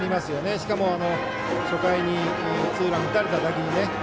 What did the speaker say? しかも、初回にツーラン打たれただけに。